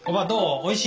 おいしい？